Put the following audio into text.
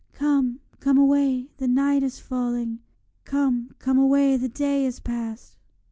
Come, come away, the night is falling; 'Come, come away, the day is past.'